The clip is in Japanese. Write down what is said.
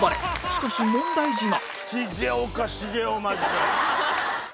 しかし問題児が